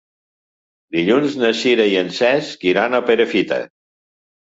Dilluns na Sira i en Cesc iran a Perafita.